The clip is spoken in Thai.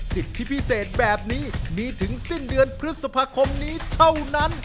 สิทธิพิเศษแบบนี้มีถึงสิ้นเดือนพฤษภาคมนี้เท่านั้น